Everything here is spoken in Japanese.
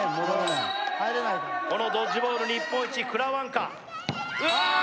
このドッジボール日本一くらわんかうわ